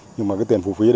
nhưng tiền phụ phí